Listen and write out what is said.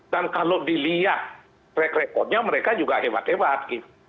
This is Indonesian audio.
dan kalau dilihat rek rekodnya mereka juga hebat hebat